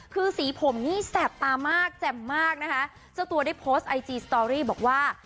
คือสีผมนี่แสบตามากแจ่มมากนะคะเจ้าตัวได้โพสต์ไอจีสตอรี่บอกว่า